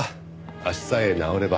足さえ治ればまた。